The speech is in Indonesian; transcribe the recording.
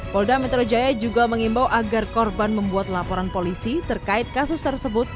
polda metro jaya juga mengimbau agar korban membuat laporan polisi terkait kasus tersebut